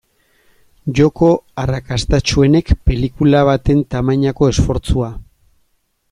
Joko arrakastatsuenek pelikula baten tamainako esfortzua.